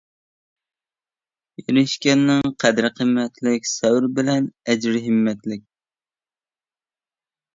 ئېرىشكەننىڭ قەدرى قىممەتلىك، سەۋر بىلەن ئەجىر ھىممەتلىك.